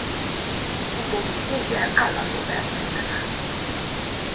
Utóbbi céggel állandó versenyben állnak.